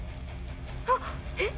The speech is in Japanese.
あっえっ？